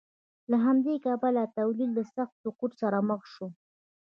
له همدې کبله تولید له سخت سقوط سره مخ شو